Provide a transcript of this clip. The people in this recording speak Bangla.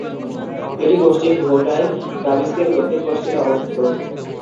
এটি পশ্চিম ঘৌটায় দামেস্কের দক্ষিণ-পশ্চিমে অবস্থিত।